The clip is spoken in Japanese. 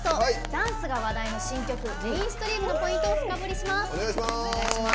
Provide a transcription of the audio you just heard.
ダンスが話題の新曲「Ｍａｉｎｓｔｒｅａｍ」のポイントを深掘りします。